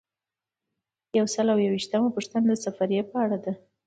یو سل او یو ویشتمه پوښتنه د سفریې په اړه ده.